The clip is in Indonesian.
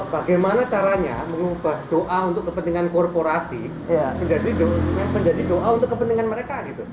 bagaimana caranya mengubah doa untuk kepentingan korporasi menjadi doa untuk kepentingan mereka